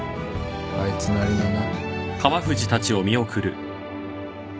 あいつなりのな。